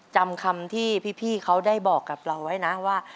จำคำที่พี่เขาได้บอกกับเราไว้นะว่า